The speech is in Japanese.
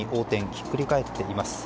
ひっくり返っています。